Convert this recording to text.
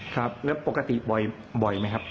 ครับแล้วปกติบ่อยไหมครับ